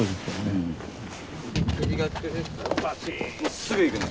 すぐ行くね！